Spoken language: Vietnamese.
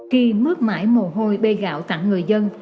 khi mước mãi mồ hôi bê gạo tặng người dân